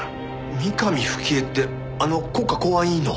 三上冨貴江ってあの国家公安委員の？